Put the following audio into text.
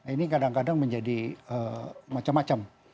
ini kadang kadang menjadi macam macam